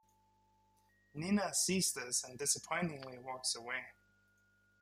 Nina sees this and disappointingly walks away.